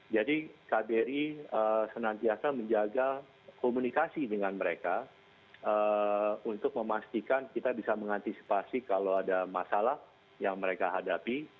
jadi kbri senantiasa menjaga komunikasi dengan mereka untuk memastikan kita bisa mengantisipasi kalau ada masalah yang mereka hadapi